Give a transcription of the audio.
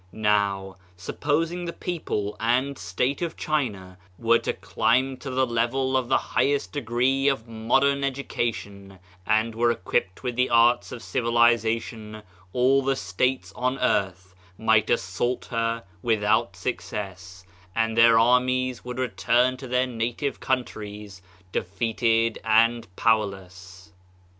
Now, supposing the people and state of China were to climb to the level of the highest degree of modern education and were equipped with the arts of civilization, all the states on earth might assault her without success, and their armies would return to their native countries defeated and powerless.